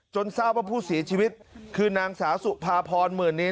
จนเศร้าว่าผู้ศีรชีวิตคือนางสาสุพาพรหมื่นนิน